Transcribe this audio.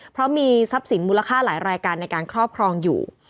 เพราะมีทรัพย์สินมูลค่าหลายรายการในการครอบครองอยู่